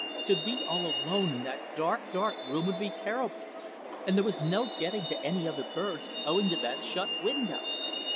To be all alone in that dark, dark room would be terrible; and there was no getting to any other birds owing to that shut window.